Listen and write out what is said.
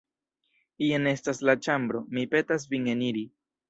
Jen estas la ĉambro; mi petas vin eniri.